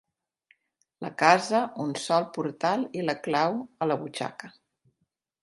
La casa, un sol portal i la clau, a la butxaca.